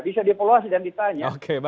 bisa dipeluasi dan ditanya